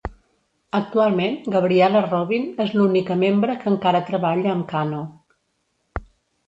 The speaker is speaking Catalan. Actualment, Gabriela Robin és l'única membre que encara treballa amb Kanno.